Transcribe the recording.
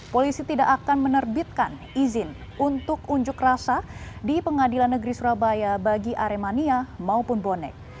polisi tidak akan menerbitkan izin untuk unjuk rasa di pengadilan negeri surabaya bagi aremania maupun bonek